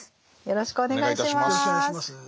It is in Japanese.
よろしくお願いします。